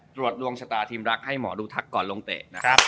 ตรวจดวงชะตาทีมรักให้หมอดูทักก่อนลงเตะ